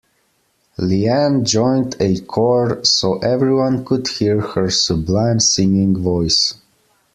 Leanne joined a choir so everyone could hear her sublime singing voice.